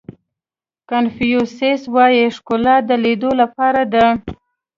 کانفیو سیس وایي ښکلا د لیدلو لپاره ده.